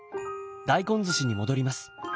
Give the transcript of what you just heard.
大根ずしに戻ります。